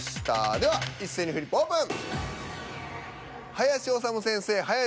では一斉にフリップオープン。